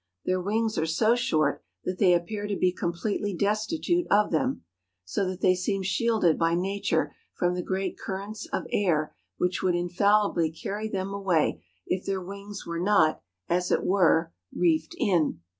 Their wings are so short that they appear to be completely destitute of them ; so that they seem shielded by Nature from the great cur¬ rents of air which would infallibly carry them away if their wings were not, as it were, reefed in.